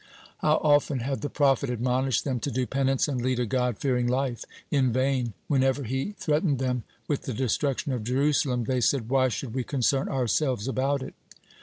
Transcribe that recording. How often had the prophet admonished them to do penance and lead a God fearing life! In vain; whenever he threatened them with the destruction of Jerusalem, they said: "Why should we concern ourselves about it?"